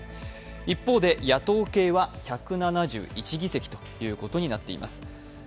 一方で野党系は１７１議席ということになっています。